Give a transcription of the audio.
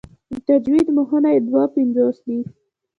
د تجوید مخونه یې دوه پنځوس دي.